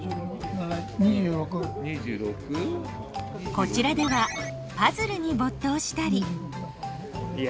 こちらではパズルに没頭したり。